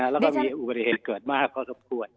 และมีอุปโภยเหตุเกิดมากก็สวทธิ์